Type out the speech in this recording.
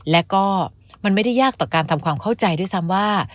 และก็มันไม่ได้ยากต่อการทำความเข้าใจด้วยซ้ำว่า